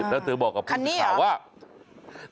แล้วเธอบอกกับผู้ข่าวว่าคันนี้หรอ